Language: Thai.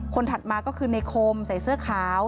ถัดมาก็คือในคมใส่เสื้อขาว